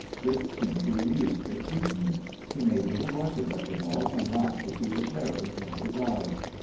This seemed to amuse Dick Wheaton. He made little rushes at the dog and laughed to see the terror in his eyes.